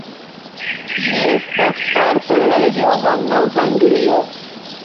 Ĝi estas parto de la regiono Nov-Anglio.